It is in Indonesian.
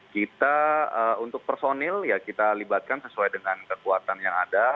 kita untuk personil ya kita libatkan sesuai dengan kekuatan yang ada